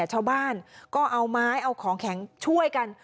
ชาวบ้านก็เอาไม้เอาของแข็งช่วยกัน